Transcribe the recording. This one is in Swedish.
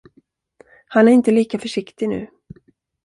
Han är inte lika försiktig nu.